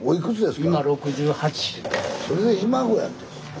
それでひ孫やて。